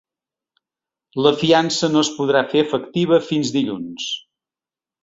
La fiança no es podrà fer efectiva fins dilluns.